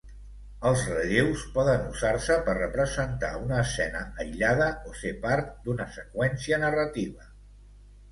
Els relleus poden usar-se per representar una escena aïllada o ser part d'una seqüència narrativa.